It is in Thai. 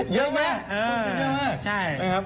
เยอะมั้ย